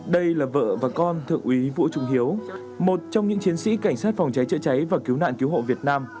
đây là vợ và con thượng úy vũ trung hiếu một trong những chiến sĩ cảnh sát phòng cháy chữa cháy và cứu nạn cứu hộ việt nam